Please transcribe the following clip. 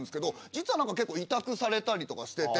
実は結構委託されたりとかしてて。